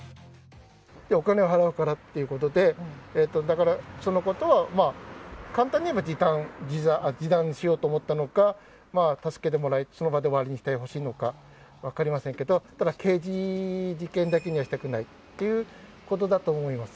お金を払うからっていうことで、だからそのことを、簡単に言えば示談しようと思ったのか、助けてもらい、その場で終わりにしてほしいのか分かりませんけど、ただ刑事事件だけにはしたくないっていうことだと思います。